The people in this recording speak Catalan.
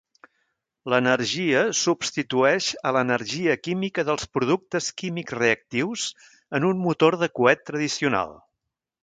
L'energia substitueix a l'energia química dels productes químics reactius en un motor de coet tradicional.